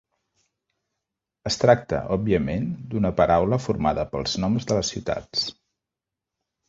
Es tracta, òbviament, d'una paraula formada pels noms de les ciutats.